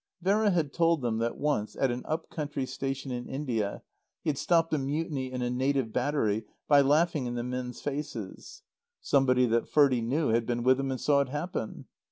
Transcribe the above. Vera had told them that once, at an up country station in India, he had stopped a mutiny in a native battery by laughing in the men's faces. Somebody that Ferdie knew had been with him and saw it happen.